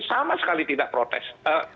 sama sekali tidak protes